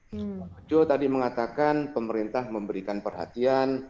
pak ojo tadi mengatakan pemerintah memberikan perhatian